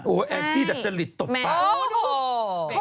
โอ้โฮดู